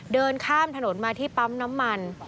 เดินข้ามถนนมาที่ปั๊มน้ำมัน